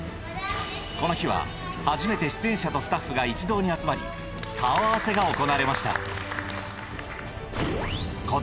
この日は初めて出演者とスタッフが一堂に集まり顔合わせが行われました